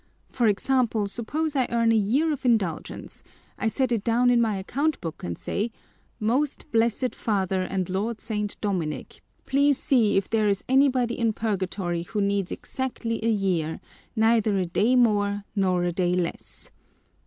For example, suppose I earn a year of indulgence: I set it down in my account book and say, 'Most Blessed Father and Lord St. Dominic, please see if there is anybody in purgatory who needs exactly a year neither a day more nor a day less.'